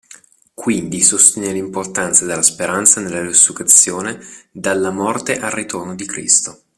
Quindi sostiene l'importanza della speranza nella resurrezione dalla morte al ritorno di Cristo.